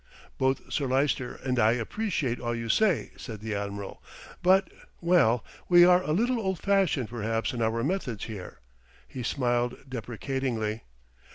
"Both Sir Lyster and I appreciate all you say," said the Admiral; "but, well, we are a little old fashioned perhaps in our methods here." He smiled deprecatingly.